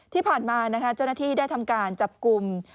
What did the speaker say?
ที่ผ่านมาเจ้าหน้าที่ได้ทำการจับกลุ่ม